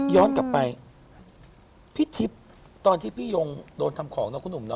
ย้อนกลับไปพี่ทิพย์ตอนที่พี่ยงโดนทำของเนาะคุณหนุ่มเน